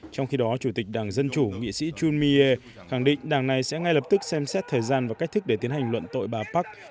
trong khi đó chủ tịch đảng dân chủ nghị sĩ jumier khẳng định đảng này sẽ ngay lập tức xem xét thời gian và cách thức để tiến hành luận tội bà park